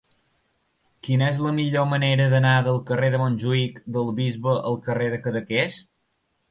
Quina és la millor manera d'anar del carrer de Montjuïc del Bisbe al carrer de Cadaqués?